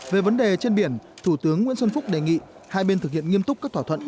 về vấn đề trên biển thủ tướng nguyễn xuân phúc đề nghị hai bên thực hiện nghiêm túc các thỏa thuận